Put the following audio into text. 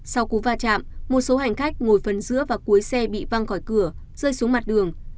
sau cú va chạm một số hành khách ngồi phần giữa và cuối xe bị văng khỏi cửa rơi xuống mặt đường